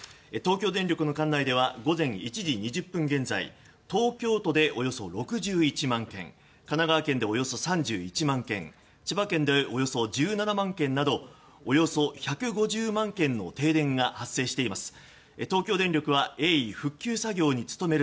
東京電力の管内では午前１時２０分現在東京都でおよそ６１万軒神奈川県で、およそ３１万軒千葉県でおよそ１７万軒などおよそ１５０万件の停電が発生しています。